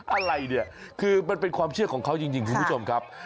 อะไรเนี่ยคือมันเป็นความเชื่อของเขาจริงคุณผู้ชมครับ